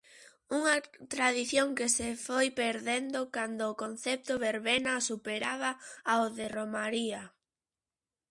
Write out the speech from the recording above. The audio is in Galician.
Unha tradición que se foi perdendo cando o concepto verbena superaba ao de romaría.